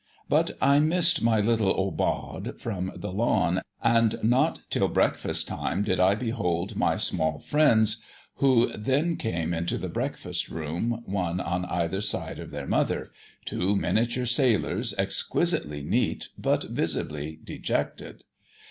But I missed my little aubade from the lawn, and not till breakfast time did I behold my small friends, who then came into the breakfast room, one on either side of their mother two miniature sailors, exquisitely neat but visibly dejected.